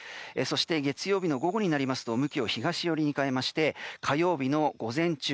そして月曜日の午後になりますと向きを東寄りに変えまして火曜日の午前中